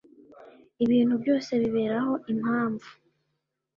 Ibintu byose biberaho impamvu